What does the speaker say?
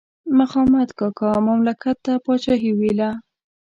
مخامد کاکا مملکت ته پاچاهي ویله.